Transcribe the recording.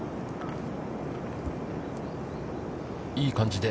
いい感じで。